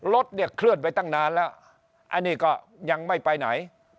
รถเนี่ยเคลื่อนไปตั้งนานแล้วอันนี้ก็ยังไม่ไปไหน